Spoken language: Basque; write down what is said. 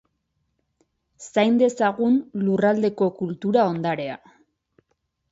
Zain dezagun lurraldeko kultura ondarea.